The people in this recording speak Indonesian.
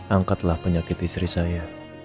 angkatlah penyakit istri saya